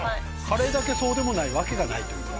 カレーだけそうでもないわけがないという事で。